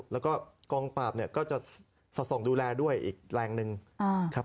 แล้วก็กองปราบเนี่ยก็จะสอดส่องดูแลด้วยอีกแรงหนึ่งครับ